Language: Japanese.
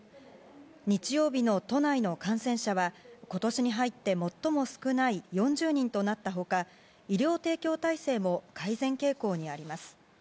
日曜日の都内の感染者は今年に入って最も少ない４０人となった他医療提供体制も改善傾向にあります。